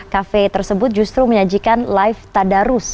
kafe tersebut justru menyajikan live tadarus